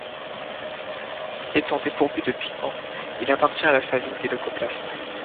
Étant dépourvu de pigment, il appartient à la famille des leucoplastes.